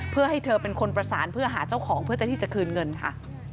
เพื่อให้เธอเป็นคนประสานเพื่อหาเจ้าของเพื่อจะที่จะคืนเงินค่ะ